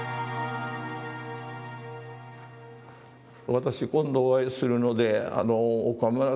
私今度お会いするので岡村さん